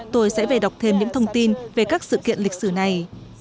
tôi sẽ về đọc thêm những thông tin về các sự kiện lịch sử này